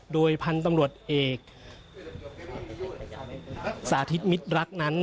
โดยพันธุ์ตำรวจเอกสาธิตมิตรรักนั้น